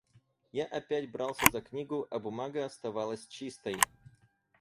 Я опять брался за книгу, а бумага оставалась чистой.